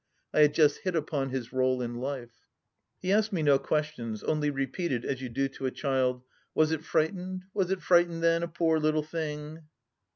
I had just hit upon his role in life. ... He asked me no questions, only repeated, as you do to a child, " Was it frightened, was it frightened, then, a poor little thing